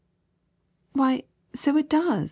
*^Why, so it does!"